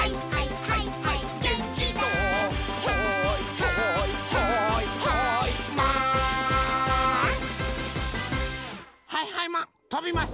はいはいマンとびます！